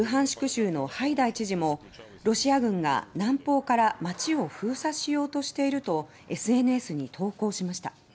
州のハイダイ知事も「ロシア軍が南方から街を封鎖しようとしている」とＳＮＳに投稿しました。